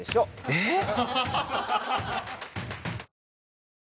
えっ？